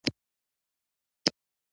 زه به په لار د میړانو سره ځم